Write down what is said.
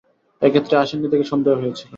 এ ক্ষেত্রে আসেন নি দেখে সন্দেহ হয়েছিল।